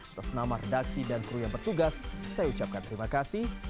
atas nama redaksi dan kru yang bertugas saya ucapkan terima kasih